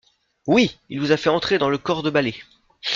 Oui !… il vous a fait entrer dans le corps de balai.